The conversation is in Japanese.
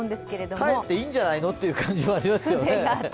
かえっていいんじゃないの？という感じがありますよね。